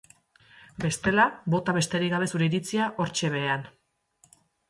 Bestela bota besterik gabe zure iritzia hortxe behean.